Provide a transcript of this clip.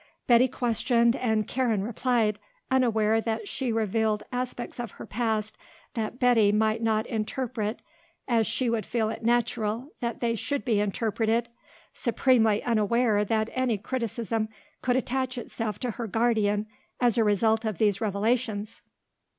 Betty questioned and Karen replied, unaware that she revealed aspects of her past that Betty might not interpret as she would feel it natural that they should be interpreted, supremely unaware that any criticism could attach itself to her guardian as a result of these revelations.